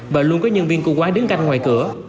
và luôn có nhân viên cơ quán đứng canh ngoài cửa